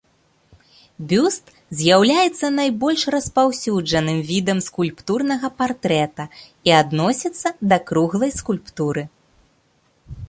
Бюст з'яўляецца найбольш распаўсюджаным відам скульптурнага партрэта і адносіцца да круглай скульптуры.